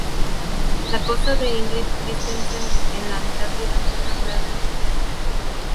La costa de Ingrid Christensen en la Antártida fue nombrada en su honor.